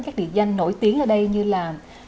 các địa danh nổi tiếng ở đây như là